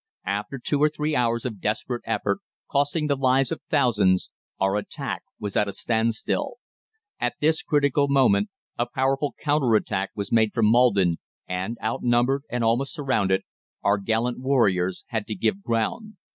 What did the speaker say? After two or three hours of desperate effort, costing the lives of thousands, our attack was at a standstill. At this critical moment a powerful counter attack was made from Maldon, and, outnumbered and almost surrounded, our gallant warriors had to give ground.